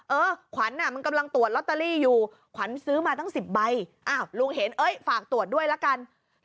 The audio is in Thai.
เออขวัญมันกำลังตรวจลอตเตอรี่อยู่ขวัญซื้อมาตั้ง๑๐ใบลุงเห็นเอ้ยฝากตรวจด้วยละกัน